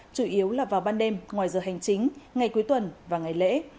chủ yếu là vào ban đêm ngoài giờ hành chính ngày cuối tuần và ngày lễ